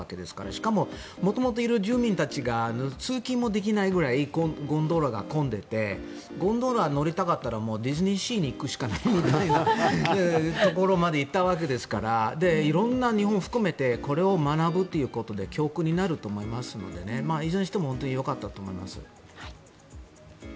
しかも、元々いる住民たちが通勤もできないくらいゴンドラが混んでいてゴンドラに乗りたかったらディズニーシーに行くしかないくらいのところまで行ったわけですから色んな、日本を含めてこれを学ぶということで教訓になると思いますからいずれにしても本当によかったと思います。